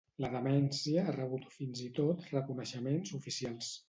La Demència ha rebut fins i tot reconeixements oficials.